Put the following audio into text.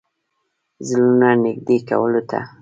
زړونو نېږدې کولو ته.